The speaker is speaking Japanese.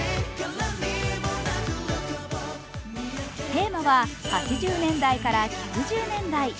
テーマは８０年代から９０年代。